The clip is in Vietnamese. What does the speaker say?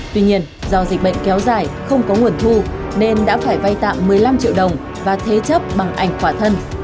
tuy nhiên do dịch bệnh kéo dài không có nguồn thu nên đã phải vay tạm một mươi năm triệu đồng và thế chấp bằng ảnh quả thân